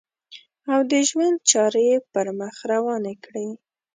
او د ژوند چارې یې پر مخ روانې کړې.